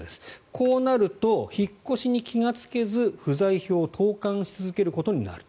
こうなると、引っ越しに気がつけず不在票を投函し続けることになる。